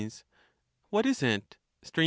What is it? Str.